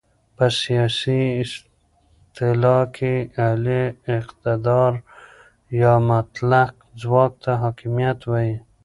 په سیاسي اصطلاح کې اعلی اقتدار یا مطلق ځواک ته حاکمیت وایې.